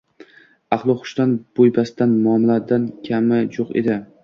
Aqlu xushdan, buy-bastdan, muomaladan kami jo‘q edi